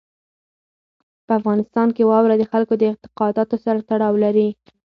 په افغانستان کې واوره د خلکو د اعتقاداتو سره تړاو لري.